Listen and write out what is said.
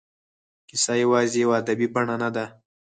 کیسه یوازې یوه ادبي بڼه نه ده.